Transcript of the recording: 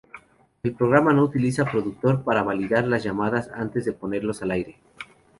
El programa no utiliza productor para validar las llamadas antes de ponerlos al aire.